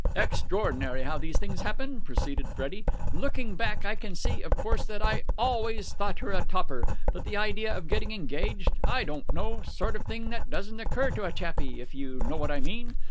"Extraordinary how these things happen," proceeded Freddie. "Looking back, I can see, of course, that I always thought her a topper, but the idea of getting engaged I don't know sort of thing that doesn't occur to a chappie, if you know what I mean.